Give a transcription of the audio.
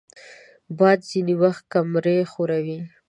باد ځینې وخت کمرې ښوروي